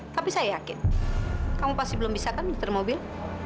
tapi saya yakin kamu pasti belum bisa kan muter mobil